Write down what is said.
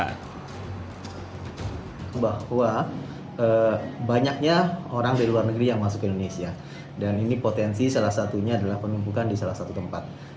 bahwa banyaknya orang dari luar negeri yang masuk ke indonesia dan ini potensi salah satunya adalah penumpukan di salah satu tempat